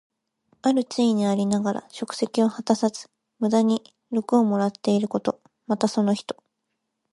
ある地位にありながら職責を果たさず、無駄に禄をもらっていること。また、その人。